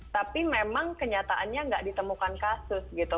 tapi memang kenyataannya nggak ditemukan kasus gitu